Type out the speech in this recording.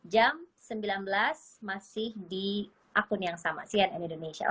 jam sembilan belas masih di akun yang sama cnn indonesia